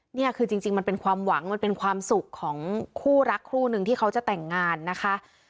นี่คือจริงมันเป็นความหวังมันเป็นความสุขของคู่รักคู่หนึ่งที่เขาจะแต่งงานนะคะ